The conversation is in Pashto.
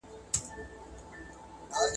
زه پرون زده کړه کوم؟